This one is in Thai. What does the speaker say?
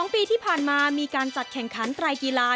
๒ปีที่ผ่านมามีการจัดแข่งขันไตรกีฬา